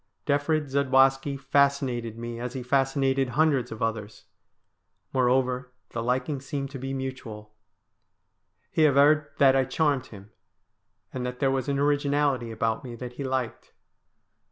Defrid Zadwaski fascinated me as he fascinated hundreds of others. Moreover, the liking seemed to be mutual. He averred that I charmed him, and that there was an originality about me that he liked.